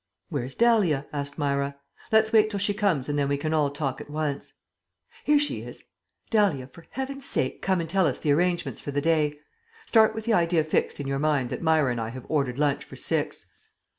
"Where's Dahlia?" asked Myra. "Let's wait till she comes and then we can all talk at once." "Here she is. Dahlia, for Heaven's sake come and tell us the arrangements for the day. Start with the idea fixed in your mind that Myra and I have ordered lunch for six."